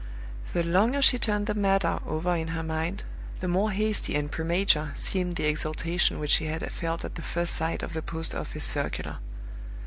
The longer she turned the matter over in her mind, the more hasty and premature seemed the exultation which she had felt at the first sight of the Post office circular.